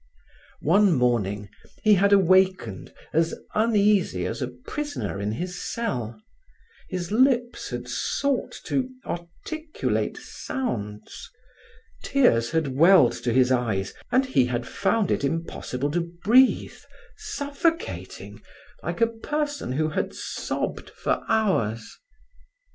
One morning he had awakened, as uneasy as a prisoner in his cell; his lips had sought to articulate sounds, tears had welled to his eyes and he had found it impossible to breathe, suffocating like a person who had sobbed for hours.